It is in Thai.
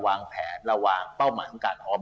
วางแผนระหว่างเป้าหมายของการออม